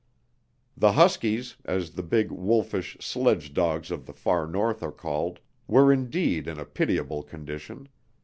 The huskies, as the big wolfish sledge dogs of the far North are called, were indeed in a pitiable condition.